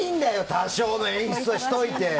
多少の演出しておいて。